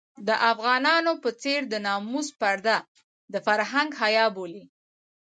د افغانانو په څېر د ناموس پرده د فرهنګ حيا بولي.